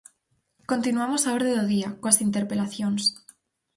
Continuamos a orde do día, coas interpelacións.